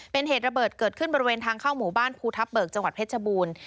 เป็นเหตุระเบิดเกิดขึ้นบริเวณทางเข้าหมู่บ้านภูทับเบิกจังหวัดเพชรบูรณ์